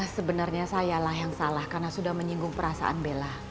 sebenarnya sayalah yang salah karena sudah menyinggung perasaan bella